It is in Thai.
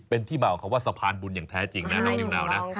เป็นที่มาของคำว่าสะพานบุญอย่างแท้จริงนะน้องนิวนาวนะ